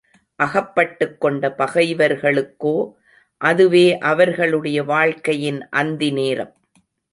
அகப்பட்டுக் கொண்ட பகைவர்களுக்கோ, அதுவே அவர்களுடைய வாழ்க்கையின் அந்தி நேரம்.